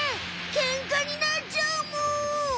ケンカになっちゃうむ！